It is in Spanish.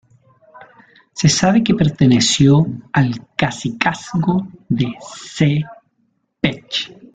Se sabe que perteneció al cacicazgo de Ceh Pech.